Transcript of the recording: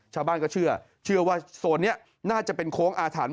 ชาวบ้านก็เชื่อเชื่อว่าโซนนี้น่าจะเป็นโค้งอาถรรพ์